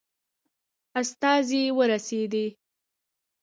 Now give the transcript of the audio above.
استازی ورسېدی.